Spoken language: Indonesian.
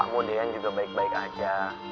kakakmu dehan juga baik baik aja